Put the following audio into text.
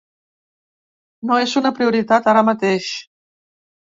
No és una prioritat ara mateix.